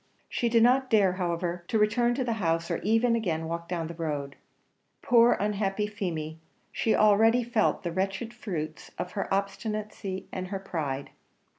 She did not dare, however, to return to the house, or even again to walk down the road. Poor, unhappy Feemy! she already felt the wretched fruits of her obstinacy and her pride.